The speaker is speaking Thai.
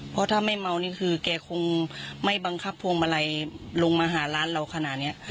เพราะถ้าไม่เมานี่คือแกคงไม่บังคับพวงมาลัยลงมาหาร้านเราขนาดนี้